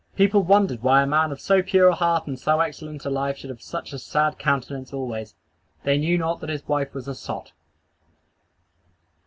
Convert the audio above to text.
People wondered why a man of so pure a heart and so excellent a life should have such a sad countenance always. They knew not that his wife was a sot.